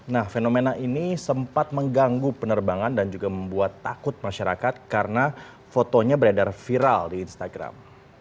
nah fenomena ini sempat mengganggu penerbangan dan juga membuat takut masyarakat karena fotonya beredar viral di instagram